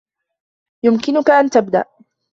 يمكنك أن تبدأ.